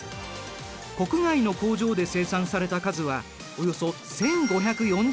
国外の工場で生産された数はおよそ１，５４０万台。